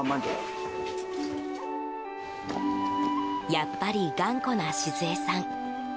やっぱり頑固な静恵さん。